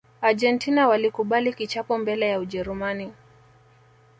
argentina walikubali kichapo mbele ya ujerumani